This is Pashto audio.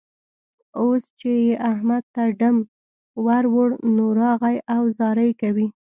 اوس چې يې احمد ته ډم ور وړ؛ نو، راغی او زارۍ کوي.